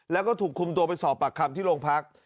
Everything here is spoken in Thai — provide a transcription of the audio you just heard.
แล้วก็ถูกคุมตัวไปสอบปากคำที่โรงพัก